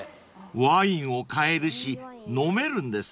［ワインを買えるし飲めるんですね］